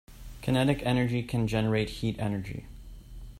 Kinetic energy can generate heat energy.